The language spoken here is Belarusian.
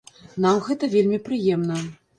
Нам гэта вельмі прыемна.